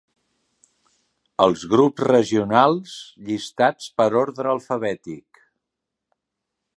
Els grups regionals llistats per ordre alfabètic.